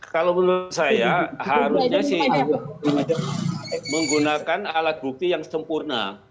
kalau menurut saya harusnya sih menggunakan alat bukti yang sempurna